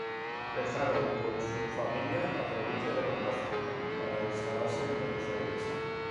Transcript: Dejaron con su familia la provincia de Mendoza para instalarse en Buenos Aires.